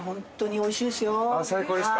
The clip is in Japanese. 最高ですか？